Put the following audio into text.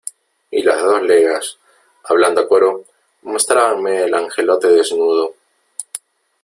y las dos legas , hablando a coro , mostrábanme el angelote desnudo ,